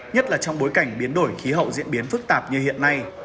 nhất là trong bối cảnh biến đổi khí hậu diễn biến phức tạp như hiện nay